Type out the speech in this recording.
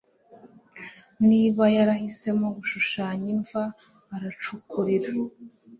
Niba yarahisemo gushushanya imva aracukurira